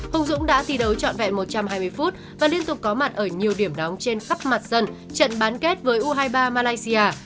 hùng dũng đã thi đấu trọn vẹn một trăm hai mươi phút và liên tục có mặt ở nhiều điểm đóng trên khắp mặt trận bán kết với u hai mươi ba malaysia